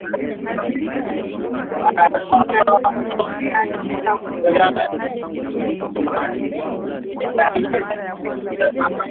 Mwanaisha Makame ni miongoni mwa wanawake hao